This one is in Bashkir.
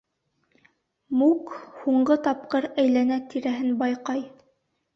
Мук һуңғы тапҡыр әйләнә-тирәһен байҡай.